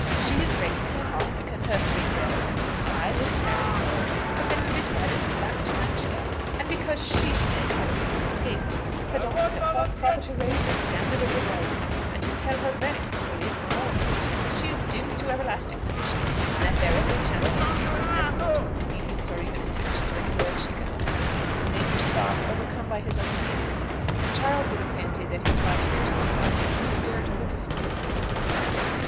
She is breaking her heart because her three girls ay, little Mary and all have been bit by this black tarantula; and because she (thank Heaven!) has escaped, her daughters have thought proper to raise the standard of rebellion, and to tell her very coolly, upon all occasions, that she is doomed to everlasting perdition, and that their only chance of escape is never more to give obedience or even attention to any word she can utter." The major stopped, overcome by his own vehemence; and Charles would have fancied that he saw tears in his eyes, if he had dared to look at him for another moment.